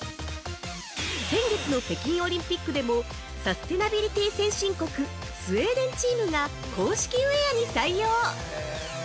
先月の北京オリンピックでも、サステナビリティ先進国・スウェーデンチームが公式ウェアに採用。